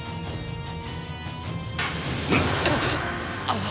ああ！